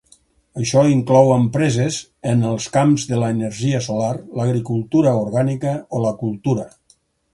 Això inclou empreses en els camps de l'energia solar, l'agricultura orgànica o la cultura.